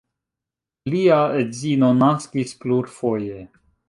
Lia edzino naskis plurfoje.